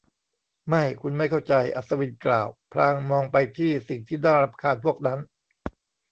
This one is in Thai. ไม่ คุณไม่เข้าใจ อัศวินกล่าว พลางมองไปที่สิ่งที่น่ารำคาญเพวกนั้น